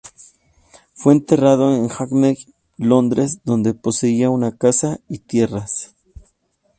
Fue enterrado en Hackney, Londres, donde poseía una casa y tierras.